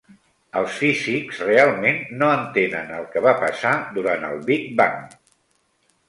Els físics realment no entenen el que va passar durant el big bang